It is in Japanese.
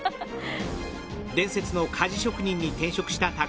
伝説の鍛冶職人に転職した巧